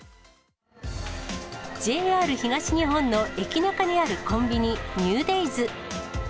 ＪＲ東日本のエキナカにあるコンビニ、ニューデイズ。